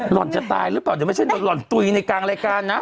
หล่อนจะตายรึเปล่าเหมือนแบบหล่อนตุยในกลางรายการนะ